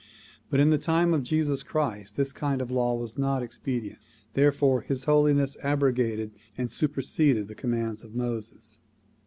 But in the time of Jesus Christ this kind of law was not expedient, there fore His Holiness abrogated and superseded the commands of Moses.